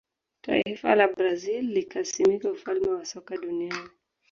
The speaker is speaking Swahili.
taifa la brazil likasimika ufalme wa soka duniani